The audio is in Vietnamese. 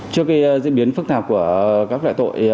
trước diễn biến phức tạp của các loại tội